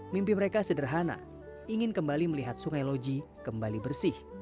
mimpi mereka sederhana ingin kembali melihat sungai loji kembali bersih